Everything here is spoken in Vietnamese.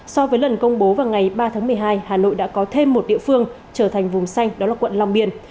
so với lần công bố vào ngày ba tháng một mươi hai hà nội đã có thêm một địa phương trở thành vùng xanh đó là quận long biên